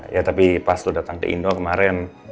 ya tapi pas lu datang ke indo kemaren